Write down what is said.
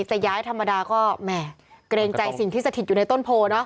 จะย้ายธรรมดาก็แหม่เกรงใจสิ่งที่สถิตอยู่ในต้นโพเนอะ